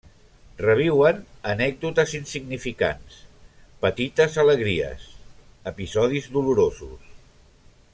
Reviuen anècdotes insignificants, petites alegries, episodis dolorosos.